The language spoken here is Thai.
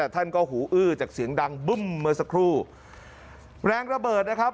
ท่านก็หูอื้อจากเสียงดังบึ้มเมื่อสักครู่แรงระเบิดนะครับ